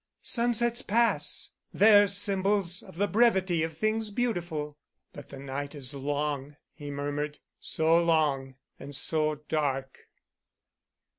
"Sunsets pass—they're symbols of the brevity of things beautiful——" "But the night is long," he murmured. "So long, and so dark."